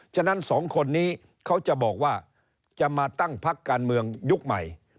ฉะนั้นสองคนนี้เขาจะบอกว่าจะมาตั้งพักการเมืองยุคใหม่